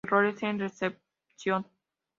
Errores en la recepción.